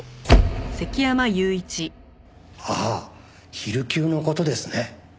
ああ昼休の事ですね。